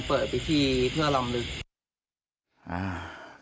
เปิดพิธีเพื่อลำลึกอ่า